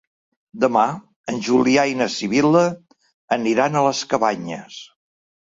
Demà en Julià i na Sibil·la aniran a les Cabanyes.